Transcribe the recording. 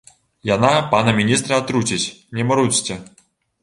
Яна пана міністра атруціць, не марудзьце.